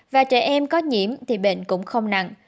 và trẻ em có nhiễm thì bệnh cũng không nặng